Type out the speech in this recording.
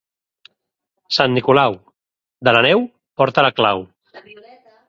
Sant Nicolau, de la neu porta la clau.